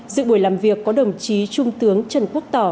dự buổi làm việc có đồng chí trung tướng trần quốc tỏ